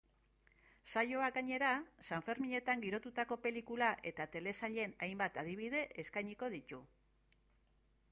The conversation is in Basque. Saioak, gainera, sanferminetan girotutako pelikula eta telesailen hainbat adibide eskainiko ditu.